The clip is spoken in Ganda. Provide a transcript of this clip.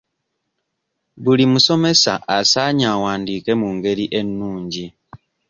Buli musomesa asaanye awandiike mu ngeri ennungi.